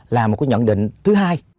là một cái nhận định thứ hai